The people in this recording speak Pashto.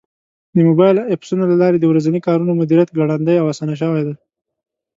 د موبایل ایپسونو له لارې د ورځني کارونو مدیریت ګړندی او اسان شوی دی.